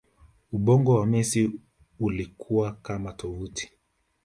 ubongo wa Messi ulikuwa kama tovuti